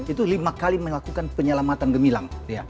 itu lima kali melakukan penyelamatan gemilang